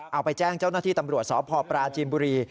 เอาไปแจ้งเจ้าหน้าที่ตำรวจสพปราจีนบุรี